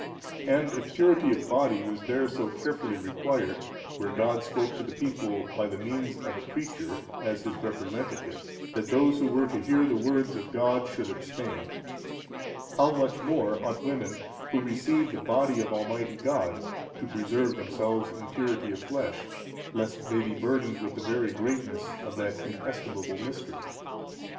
And if purity of body was there so carefully required, where God spoke to the people by the means of a creature as His representative, that those who were to hear the words of God should abstain; how much more ought women, who receive the Body of Almighty God, to preserve themselves in purity of flesh, lest they be burdened with the very greatness of that inestimable Mystery?